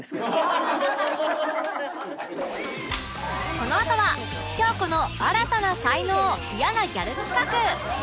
このあとは京子の新たな才能嫌なギャル企画